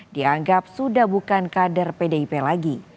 dianggap sudah bukan kader pdip lagi